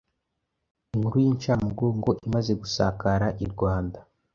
Inkuru y’incamugongo imaze gusakara i Rwanda,